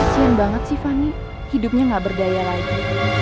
kasihan banget sih fani hidupnya gak bergaya lagi